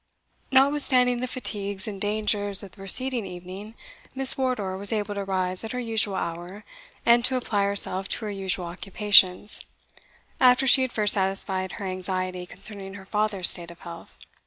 Notwithstanding the fatigues and dangers of the preceding evening, Miss Wardour was able to rise at her usual hour, and to apply herself to her usual occupations, after she had first satisfied her anxiety concerning her father's state of health.